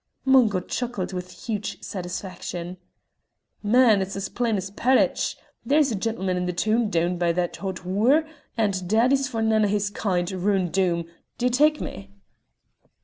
Mungo chuckled with huge satisfaction. "Man, it's as plain's parridge! There's a gentleman in the toon down by that's a hot wooer, and daddy's for nane o' his kind roon' Doom; d'ye tak' me?"